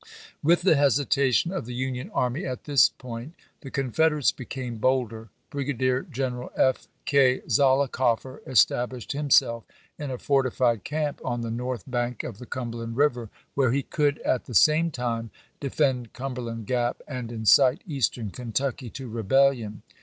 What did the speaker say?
With the hesitation of the Union army at this point the Confederates became bolder. Brigadier General F. K. ZoUicoffer estab lished himself in a fortified camp on the north bank of the Cumberland River, where he could, at the same time, defend Cumberland Grap and incite Eastern Kentucky to rebellion.